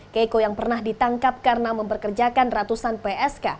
keiko yang pernah ditangkap karena memperkerjakan ratusan psk